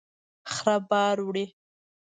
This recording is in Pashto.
خره بار وړي